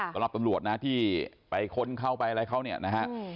ตำรวจนะที่ไปค้นเข้าไปอะไรเขาเนี่ยนะฮะ